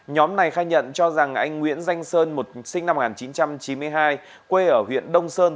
nhóm này khai nhận cho rằng anh nguyễn danh sơn một sinh năm một nghìn chín trăm chín mươi hai quê ở huyện đông sơn